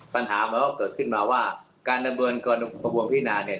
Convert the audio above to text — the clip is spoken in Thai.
ปัญหามันก็เกิดขึ้นมาว่าการดำเนินกระบวนพินาเนี่ย